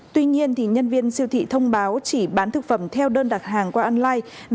tuy nhiên nhân viên siêu thị thông báo chỉ bán thực phẩm theo đơn đặt hàng qua online